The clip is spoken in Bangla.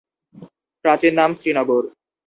প্রাচীন নাম শ্রীনগর।